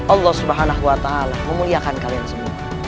allah swt memuliakan kalian semua